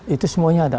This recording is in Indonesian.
itu semuanya ada